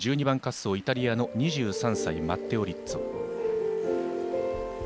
１２番滑走、イタリアの２３歳マッテオ・リッツォ。